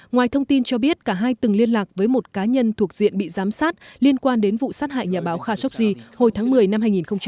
ngoài thông tin cho biết cả hai từng liên lạc với một cá nhân thuộc diện bị giám sát liên quan đến vụ sát hại nhà báo khashoggi hồi tháng một mươi năm hai nghìn một mươi chín